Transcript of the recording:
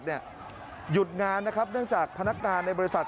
หยุดงานนะครับเนื่องจากพนักงานในบริษัท